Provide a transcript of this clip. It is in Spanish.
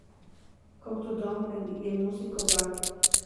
Countdown" y en el Music Bank.